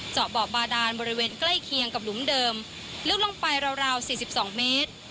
เจาะบ่อบาดานบริเวณใกล้เคียงกับหลุมเดิมลึกลงไปราวราว๔๒เมตร